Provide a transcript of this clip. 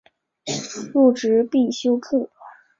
入职必修课